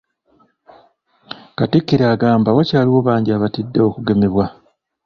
Katikkiro agamba wakyaliwo bangi abatidde okugemebwa.